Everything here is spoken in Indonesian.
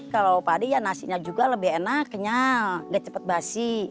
kalau padi ya nasinya juga lebih enak kenyal nggak cepat basi